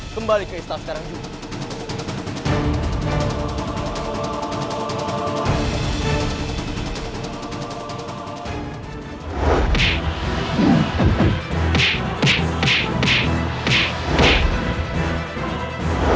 kembali ke istana sekarang juga